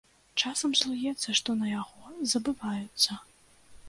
Часам злуецца, што на яго забываюцца.